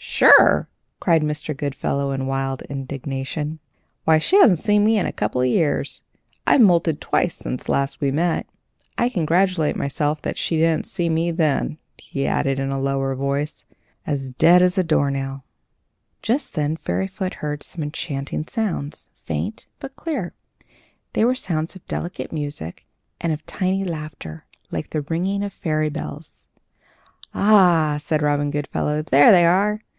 "Sure!" cried Mr. Goodfellow, in wild indignation, "why, she hasn't seen me for a couple of years. I've moulted twice since last we met. I congratulate myself that she didn't see me then," he added, in a lower voice. "Of course she's dead," he added, with solemn emphasis; "as dead as a door nail." Just then Fairyfoot heard some enchanting sounds, faint, but clear. They were sounds of delicate music and of tiny laughter, like the ringing of fairy bells. "Ah!" said Robin Goodfellow, "there they are!